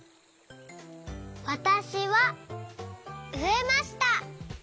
わたしはうえました。